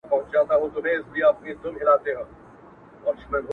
په سلايي باندي د تورو رنجو رنگ را واخلي ـ